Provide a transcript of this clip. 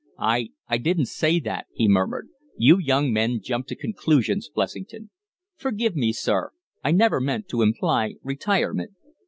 "I I didn't say that," he murmured. "You young men jump to conclusions, Blessington." "Forgive me, sir. I never meant to imply retirement.